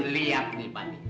lihat nih pak